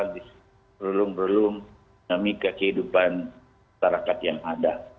berlum berlum demi kehidupan masyarakat yang ada